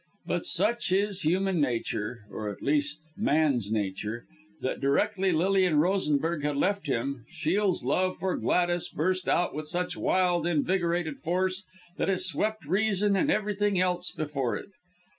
But such is human nature or at least man's nature that directly Lilian Rosenberg had left him, Shiel's love for Gladys burst out with such wild, invigorated force that it swept reason and everything else before it.